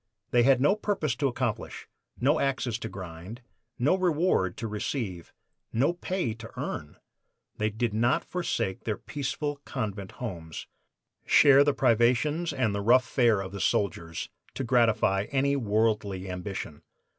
They had no purpose to accomplish, no axes to grind, no reward to receive, no pay to earn! They did not forsake their peaceful convent homes, share the privations and the rough fare of the soldiers, to gratify any worldly ambition.